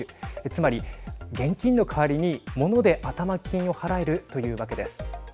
つまり現金の代わりにもので頭金を払えるというわけです。